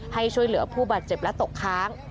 ให้ช่วยเหลือผู้บาดเจ็บและตกค้าง